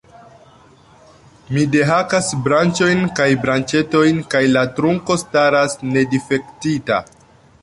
Mi dehakas branĉojn kaj branĉetojn, kaj la trunko staras nedifektita.